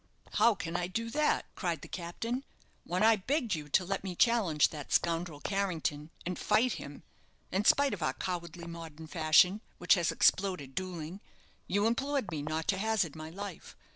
"How can I do that?" cried the captain. "When I begged you to let me challenge that scoundrel, Carrington, and fight him in spite of our cowardly modern fashion, which has exploded duelling you implored me not to hazard my life.